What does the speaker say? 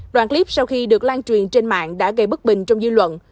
đoạn clip sau khi được lan truyền trên mạng đã gây bức bình trong dư luận